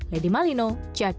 lady malino jakarta